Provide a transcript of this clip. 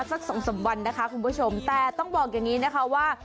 สักสองสามวันนะคะคุณผู้ชมแต่ต้องบอกอย่างนี้นะคะว่า